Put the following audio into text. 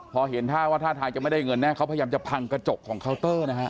พอเห็นท่าว่าท่าทางจะไม่ได้เงินแน่เขาพยายามจะพังกระจกของเคาน์เตอร์นะฮะ